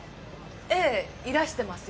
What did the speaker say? ええいらしてますよ。